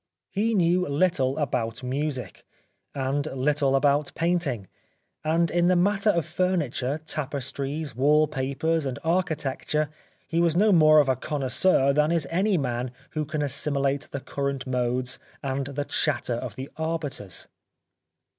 He knew little about music, and little about 133 The Life of Oscar Wilde painting^ and in the matter of furniture, tapestries, wall papers and architecture he was no more of a connoisseur than is any man who can assimilate the current modes and the chatter of the arbiters.